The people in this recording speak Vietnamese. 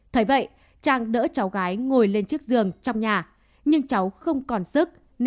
thời vậy trang đỡ cháu gái ngồi lên chiếc giường trong nhà nhưng cháu không còn sức nên té ngã